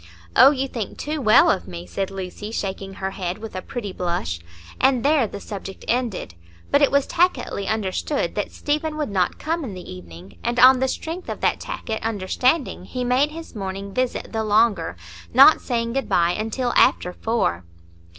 "Oh, you think too well of me," said Lucy, shaking her head, with a pretty blush, and there the subject ended. But it was tacitly understood that Stephen would not come in the evening; and on the strength of that tacit understanding he made his morning visit the longer, not saying good bye until after four.